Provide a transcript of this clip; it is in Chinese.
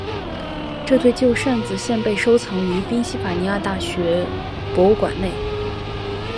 这对旧扇子现被收藏于宾夕法尼亚大学博物馆内。